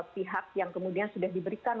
pihak yang kemudian sudah diberikan